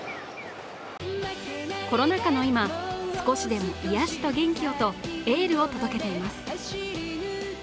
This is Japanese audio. コロナ禍の今、少しでも癒やしと元気をとエールを届けています。